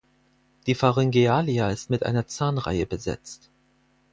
Die Pharyngealia ist mit einer Zahnreihe besetzt.